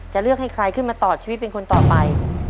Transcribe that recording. จะเลือกให้ใครขึ้นมาต่อชีวิตเป็นคนต่อไป